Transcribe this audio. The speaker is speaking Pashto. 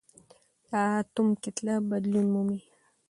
د اتوم کتله بدلون مومي.